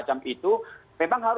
sepertinya sudah ter conhecer